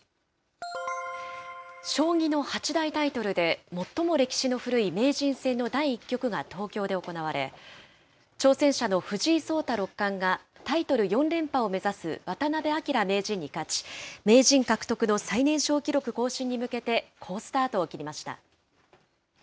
将棋の八大タイトルで最も歴史の古い名人戦の第１局が東京で行われ、挑戦者の藤井聡太六冠がタイトル４連覇を目指す渡辺明名人に勝ち、名人獲得の最年少記録更新に向けて好スタートを切りました。